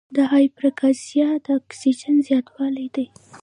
د هایپراکسیا د اکسیجن زیاتوالی دی.